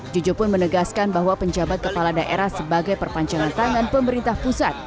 jujo pun menegaskan bahwa penjabat kepala daerah sebagai perpanjangan tangan pemerintah pusat